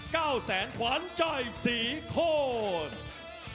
ก้าวแสนขวานใจศรีโคตร